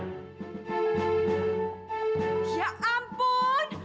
itu kan pot kesayangan mami lor